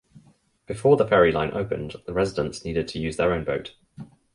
Before the ferry line opened the residents needed to use their own boat.